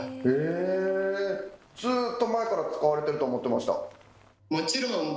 ずっと前から使われてると思ってました。